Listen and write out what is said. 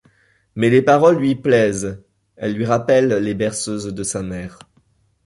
Mais les paroles lui plaisent, elles lui rappellent les berceuses de sa mère.